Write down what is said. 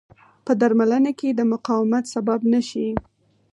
په درملنه کې د مقاومت سبب نه شي.